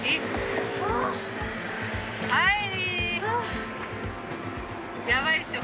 はい！